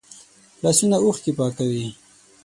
لاسونه اوښکې پاکوي